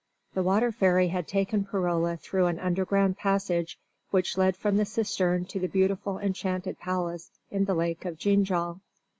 The water fairy had taken Perola through an underground passage which led from the cistern to the beautiful enchanted palace in the lake of Ginjal.